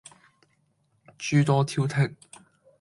諸多挑剔